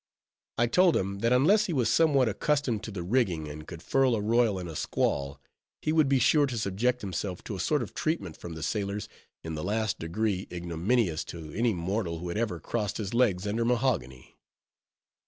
I told him, that unless he was somewhat accustomed to the rigging, and could furl a royal in a squall, he would be sure to subject himself to a sort of treatment from the sailors, in the last degree ignominious to any mortal who had ever crossed his legs under mahogany.